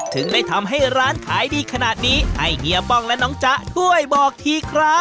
ถึงได้ทำให้ร้านขายดีขนาดนี้ให้เฮียป้องและน้องจ๊ะช่วยบอกทีครับ